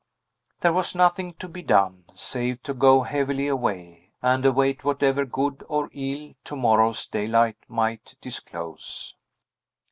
There was nothing to be done, save to go heavily away, and await whatever good or ill to morrow's daylight might disclose.